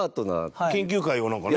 山崎：研究会を、なんかね。